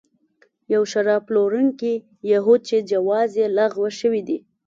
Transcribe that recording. یو شراب پلورونکی یهود چې جواز یې لغوه شوی دی.